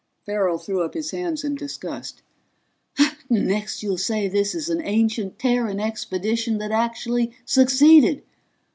Farrell threw up his hands in disgust. "Next you'll say this is an ancient Terran expedition that actually succeeded!